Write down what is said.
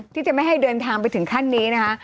ที่จะไม่ให้เดินทางไปถึงขั้นนี้นะคะ